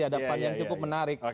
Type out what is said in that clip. ada pan yang cukup menarik